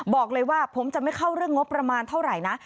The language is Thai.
บอกเลยว่าผมจะไม่เข้าเรื่องงบประมาณเท่าไหร่นะ